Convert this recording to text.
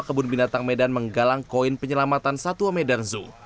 kebun binatang medan menggalang koin penyelamatan satwa medan zoo